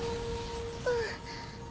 うん。